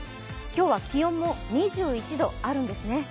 今日は気温も２１度あるんですね。